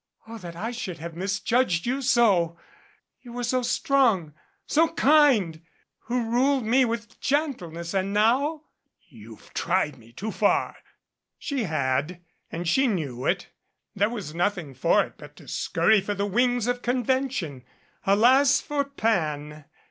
"Oh, that I should have misjudged you so. You who 248 GREAT PAN IS DEAD were so strong so kind ! Who ruled me with gentleness 1 and now " "You've tried me too far." She had ; and she knew it. There was nothing for it but to skurry for the wings of convention. Alas, for Pan!